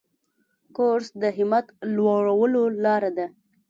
کورس د همت لوړولو لاره ده.